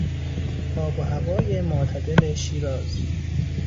آب و هوای معتدل شیراز